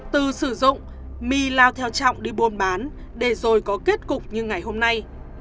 từ sử dụng mi lao theo trọng đi buôn bán để rồi có kết cục như ngày hôm nay